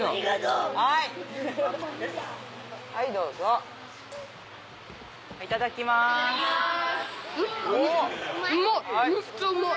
うまっめっちゃうまい！